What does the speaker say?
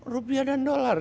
rupiah dan dolar